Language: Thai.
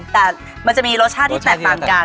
แต่มันจะมีรสชาติที่แตกต่างกัน